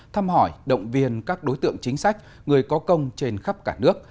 thăm hỏi động viên các đối tượng chính sách người có công trên khắp cả nước